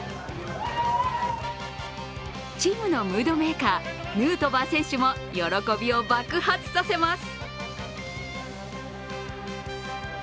チームのムードメーカー、ヌートバー選手も喜びを爆発させます。